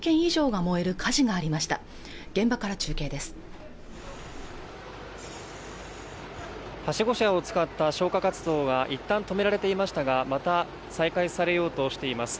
はしご車を使った消火活動がいったん止められていましたがまた再開されようとしています